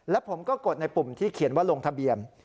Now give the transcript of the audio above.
และผมก็กดในปุ่มที่เขียนว่าลงทะเบียน